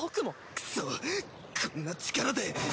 クソこんな力で。